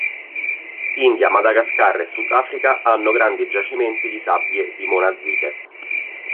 India, Madagascar e Sudafrica hanno grandi giacimenti di sabbie di monazite.